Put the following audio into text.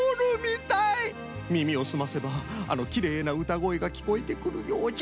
みみをすませばあのきれいなうたごえがきこえてくるようじゃ。